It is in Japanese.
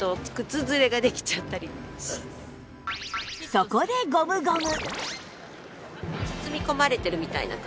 そこでゴムゴム